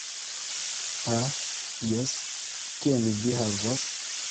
Ah jes, kion vi havas?